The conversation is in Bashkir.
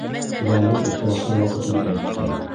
Уларҙың осрашыр ваҡытын әйттем.